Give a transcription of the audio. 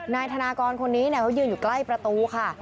นายธนากรคนนี้เขายืนอยู่ใกล้ประตูค่ะ